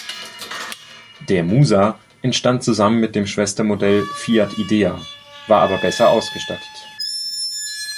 Der Musa entstand zusammen mit dem Schwestermodell Fiat Idea, war aber besser ausgestattet.